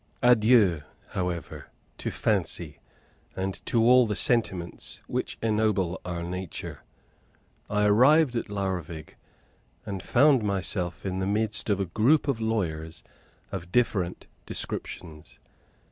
Adieu, however, to fancy, and to all the sentiments which ennoble our nature. I arrived at Laurvig, and found myself in the midst of a group of lawyers of different descriptions.